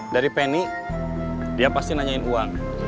dari penny dia pasti nanyain uang